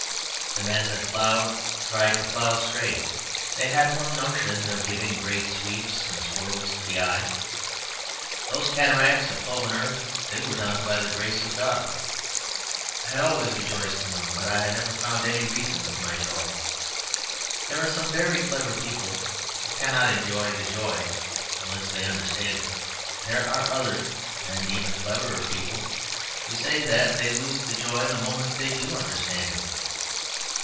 The men that ploughed tried to plough straight; they had no notion of giving great sweeps and swirls to the eye. Those cataracts of cloven earth; they were done by the grace of God. I had always rejoiced in them; but I had never found any reason for my joy. There are some very clever people who cannot enjoy the joy unless they understand it. There are other and even cleverer people who say that they lose the joy the moment they do understand it.